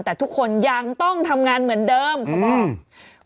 แต่ทุกคนยังต้องทำงานเหมือนเดิมเขาบอก